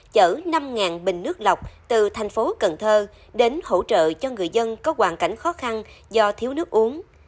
chở năm bình nước lọc từ thành phố cần thơ đến hỗ trợ cho người dân có hoàn cảnh khó khăn do thiếu nước uống